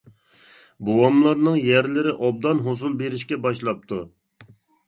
بوۋاملارنىڭ يەرلىرى ئوبدان ھوسۇل بېرىشكە باشلاپتۇ.